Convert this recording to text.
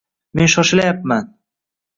Men shoshilayapman.